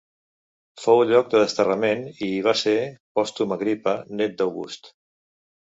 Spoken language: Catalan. Fou lloc de desterrament i hi va ser Pòstum Agripa, nét d'August.